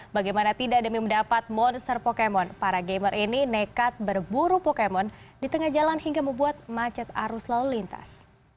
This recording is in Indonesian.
bagaimana tidak demi mendapat monster pokemon para gamer ini nekat berburu pokemon di tengah jalan hingga membuat macet arus lalu lintas